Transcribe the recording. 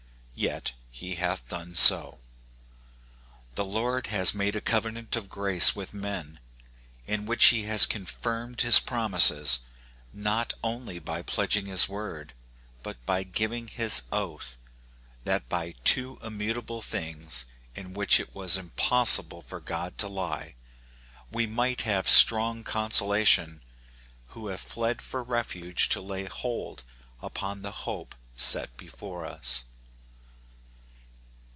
Yet he hath done so. The Lord has made a cove nant of grace with men, in which he has confirmed his promises, not only by pledging his word, but by giving his oath; "that by two immutable things in which it was impossible for God to lie, we might have strong consolation who have fled for refuge to lay hold upon the hope set before us.